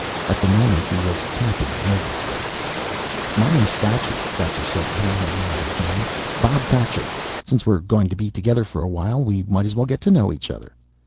At the moment he was tapping nervously. "My name's Thacher," Thacher said to him, holding out his hand. "Bob Thacher. Since we're going to be together for a while we might as well get to know each other."